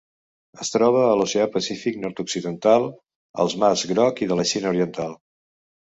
Es troba a l'Oceà Pacífic nord-occidental: els mars Groc i de la Xina Oriental.